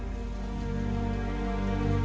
nangis begini pak